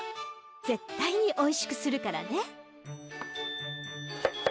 ぜったいにおいしくするからね。